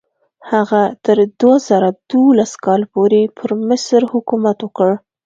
هغه تر دوه زره دولس کال پورې پر مصر حکومت وکړ.